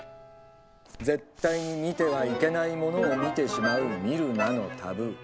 絶対に見てはいけないものを見てしまう「見るな」のタブー。